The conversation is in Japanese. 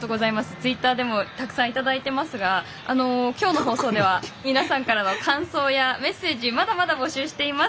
ツイッターでもたくさんいただいてますがきょうの放送では皆さんからの感想やメッセージまだまだ募集しております。